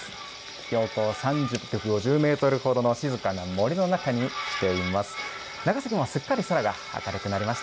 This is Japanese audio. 標高３５０メートルほどの静かな森の中に来ております。